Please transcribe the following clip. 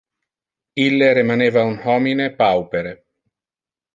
Ille remaneva un homine paupere.